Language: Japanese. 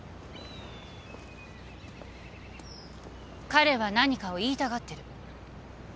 彼は何かを言いたがってる。